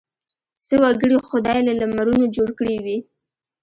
څه وګړي خدای له لمرونو جوړ کړي وي.